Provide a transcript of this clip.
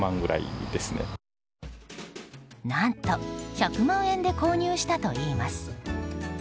何と１００万円で購入したといいます。